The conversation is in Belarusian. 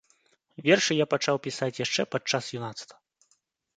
Вершы я пачаў пісаць яшчэ падчас юнацтва.